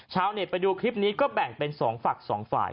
ชาวเน็ตไปดูคลิปนี้ก็แบ่งเป็น๒ฝัก๒ฝ่าย